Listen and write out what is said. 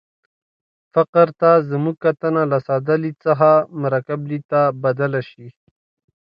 فقر ته زموږ کتنه له ساده لید څخه مرکب لید ته بدله شي.